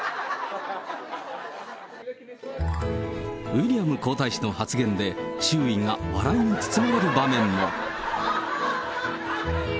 ウィリアム皇太子の発言で、周囲が笑いに包まれる場面も。